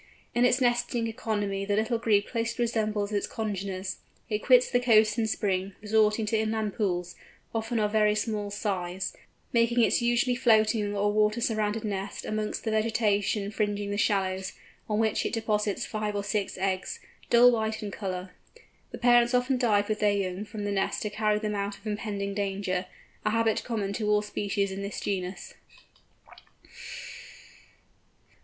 In its nesting economy the Little Grebe closely resembles its congeners. It quits the coast in spring, resorting to inland pools, often of very small size, making its usually floating or water surrounded nest amongst the vegetation fringing the shallows, on which it deposits five or six eggs, dull white in colour. The parents often dive with their young from the nest to carry them out of impending danger—a habit common to all species in this genus.